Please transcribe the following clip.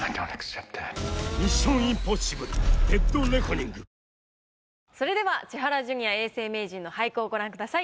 ニトリそれでは千原ジュニア永世名人の俳句をご覧ください。